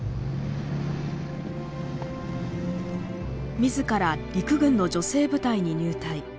みずから陸軍の女性部隊に入隊。